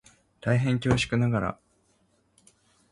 大変恐縮ながら